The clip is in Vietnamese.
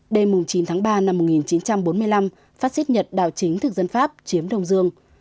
đêm chín tháng ba năm một nghìn chín trăm bốn mươi năm phát xích nhật đào chính thực dân pháp chiếm đồng dương